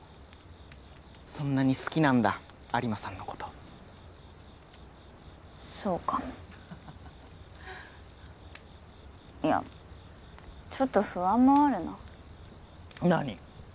そんなに好きなんだ有馬さんのことそうかもいやちょっと不安もあるな何？